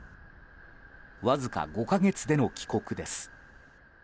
わずか５か月での帰国です。